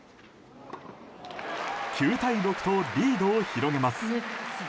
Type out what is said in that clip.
９対６とリードを広げます。